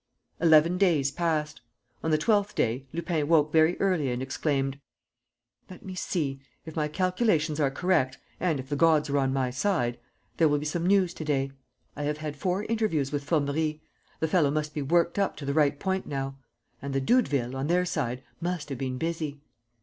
..." Eleven days passed. On the twelfth day, Lupin woke very early and exclaimed: "Let me see, if my calculations are correct and if the gods are on my side, there will be some news to day. I have had four interviews with Formerie. The fellow must be worked up to the right point now. And the Doudevilles, on their side, must have been busy.